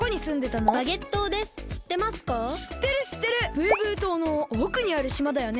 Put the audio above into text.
ブーブー島のおくにある島だよね？